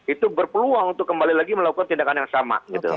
itu berpeluang untuk kembali lagi melakukan tindakan yang sama